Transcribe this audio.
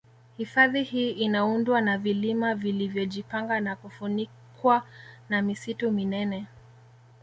Hifadhi hii inaundwa na vilima vilivyojipanga na kufunikwa na misitu minene